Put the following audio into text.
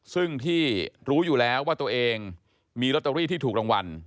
ซึ่งที่รู้อยู่แล้วว่าตัวเองมีลอตเตอรี่ที่ถูกรางวัล